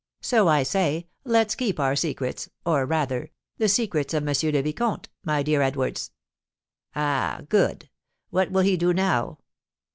So, I say, let's keep our secrets, or, rather, the secrets of M. le Vicomte, my dear Edwards." "Ah, good! What will he do now?"